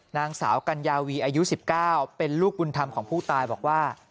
นางสาวกัญญาวีอายุ๑๙เป็นลูกบุญธรรมของผู้ตายบอกว่า